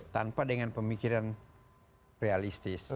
tanpa dengan pemikiran realistis